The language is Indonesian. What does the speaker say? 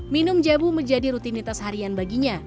minum jabu menjadi rutinitas harian baginya